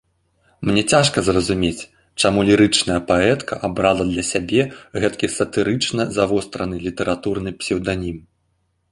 Мне цяжка зразумець, чаму лірычная паэтка абрала для сябе гэткі сатырычна завостраны літаратурны псеўданім.